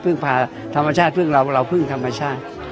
พาธรรมชาติพึ่งเราเราพึ่งธรรมชาติ